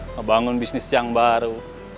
ngebangun bisnis yang baru